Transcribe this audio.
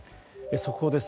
速報です。